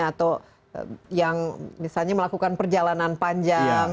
atau yang misalnya melakukan perjalanan panjang